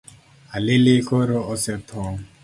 Halili koro osetho.